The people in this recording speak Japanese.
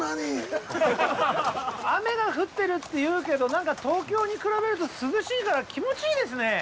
雨が降ってるっていうけど何か東京に比べると涼しいから気持ちいいですね。